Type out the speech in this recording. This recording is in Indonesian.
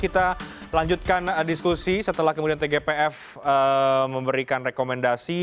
kita lanjutkan diskusi setelah kemudian tgpf memberikan rekomendasi